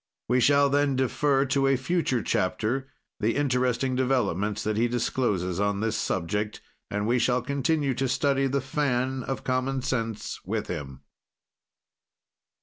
We shall, then, defer to a future chapter the interesting developments that he discloses on this subject, and we shall continue to study the fan of common sense with him.